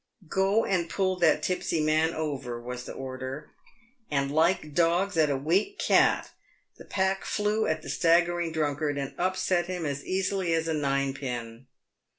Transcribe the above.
" Go and pull that tipsy man over," was the order ; and like dogs at a weak cat the pack flew at the staggering drunkard, and upset him as easily as a ninepin.